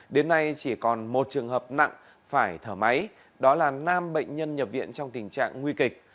đến nay chỉ còn một trường hợp nặng phải thở máy đó là năm bệnh nhân nhập viện trong tình trạng nguy kịch